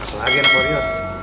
masalah agen warior